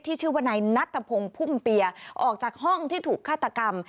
ที่ชื่อวนัยนัตภพพุ่งเปียออกจากห้องที่ถูกฆาตกรรม